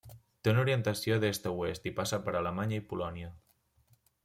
Té una orientació d'est a oest i passa per Alemanya i Polònia.